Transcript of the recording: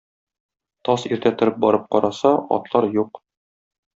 Таз иртә торып барып караса, атлар юк.